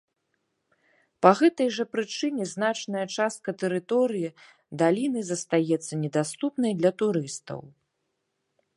Па гэтай жа прычыне значная частка тэрыторыі даліны застаецца недаступнай для турыстаў.